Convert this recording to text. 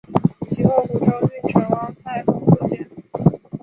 其后湖州郡丞汪泰亨所建。